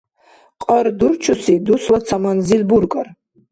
Кьар дурчуси дусла ца манзил бургар?